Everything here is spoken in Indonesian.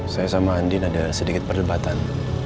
saya sama andin ada sedikit perdebatan